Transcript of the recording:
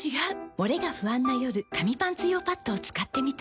モレが不安な夜紙パンツ用パッドを使ってみた。